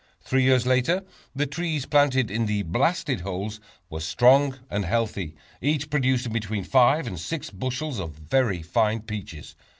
Three years later the trees planted in the blasted holes were strong and healthy, each producing between five and six bushels of very fine peaches.